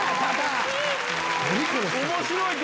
面白い！